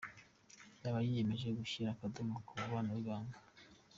Yaba yiyemeje gushyira akadomo ku mubano w’ibanga?